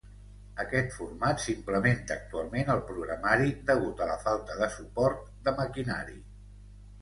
Aquest format s'implementa actualment al programari degut a la falta de suport de maquinari.